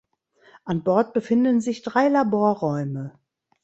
An Bord befinden sich drei Laborräume.